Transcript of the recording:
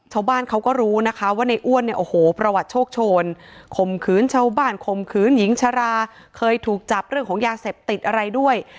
ชาวบ้านเขาก็รู้นะคะว่าในอ้วนเนี่ยโอ้โหประวัติโชคโชนข่มขืนชาวบ้านข่มขืนหญิงชราเคยถูกจับเรื่องของยาเสพติดอะไรด้วย